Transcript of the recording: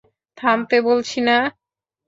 থামতে, বলছিনা?